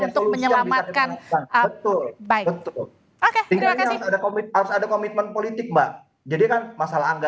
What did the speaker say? untuk menyelamatkan baik oke terima kasih harus ada komitmen politik mbak jadi kan masalah